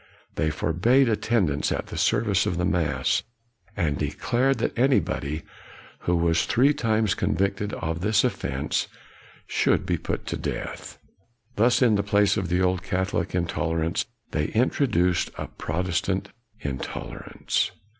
They forbade attendance at the service of the mass, and declared that anybody who was three times convicted of this ofTense should be put to death. Thus in the place of the old Catholic intolerance, they introduced a Protestant intolerance.